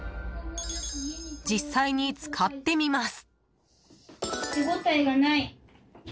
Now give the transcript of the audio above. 実際に使ってみます。